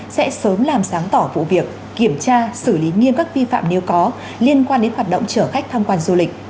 sẽ sớm làm sáng tỏ vụ việc kiểm tra xử lý nghiêm các vi phạm nếu có liên quan đến hoạt động chở khách tham quan du lịch